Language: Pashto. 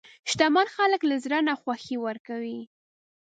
شتمن خلک له زړه نه خوښي ورکوي.